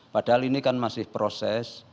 padahal ini kan masih proses